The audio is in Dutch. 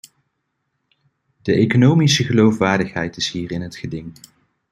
De economische geloofwaardigheid is hier in het geding.